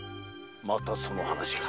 またその話か。